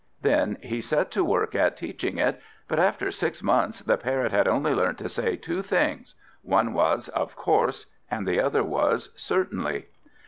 Then he set to work at teaching it; but after six months the Parrot had only learnt to say two things: one was "Of course," and the other was "Certainly."